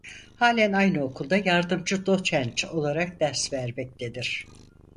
Halen aynı okulda yardımcı doçent olarak ders vermektedir.